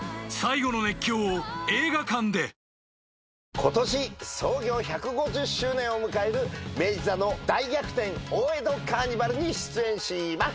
今年創業１５０周年を迎える明治座の『大逆転！大江戸桜誉賑』に出演します！